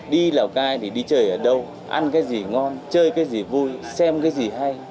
đi lào cai thì đi chơi ở đâu ăn cái gì ngon chơi cái gì vui xem cái gì hay